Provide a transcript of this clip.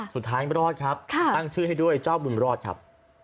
สุดท้ายรอดครับตั้งชื่อให้ด้วยเจ้าบุญรอดครับ